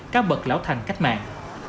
các bậc lão thành cách mạng